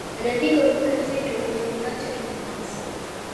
aliniandikia ujumbe mzito uliyoniacha kinywa wazi